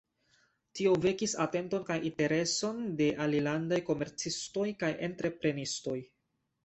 Tio vekis atenton kaj intereson de alilandaj komercistoj kaj entreprenistoj.